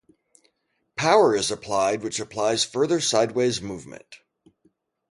Power is applied which applies further sideways movement.